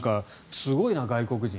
すごいな、外国人。